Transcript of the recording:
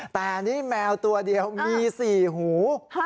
แต่นี่แมวตัวเดียวมี๔หู